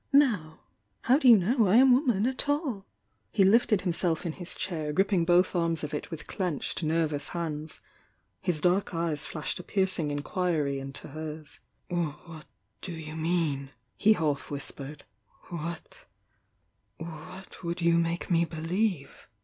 Now — how do you know I am woman at all?" .,^ He lifted himself in his chair, gripping both arms of it with clenched nervous hands. His dark eyes flashed a piercing inquiry into hers. "What do you mean?" he half whispered. "What — what would you make me believe?"